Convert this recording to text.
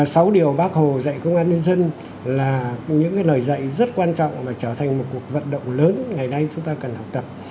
sáu điều bác hồ dạy công an nhân dân là những lời dạy rất quan trọng và trở thành một cuộc vận động lớn ngày nay chúng ta cần học tập